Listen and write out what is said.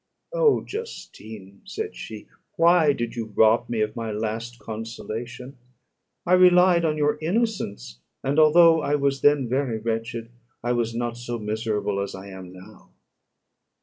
"Oh, Justine!" said she, "why did you rob me of my last consolation? I relied on your innocence; and although I was then very wretched, I was not so miserable as I am now."